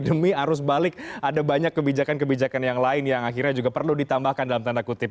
demi arus balik ada banyak kebijakan kebijakan yang lain yang akhirnya juga perlu ditambahkan dalam tanda kutip